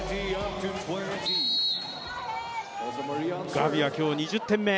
ガビは今日２０点目。